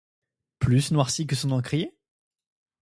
Plus noirci que son encrier ?